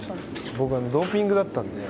僕はドーピングだったので。